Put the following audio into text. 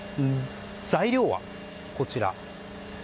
材料は、こちら。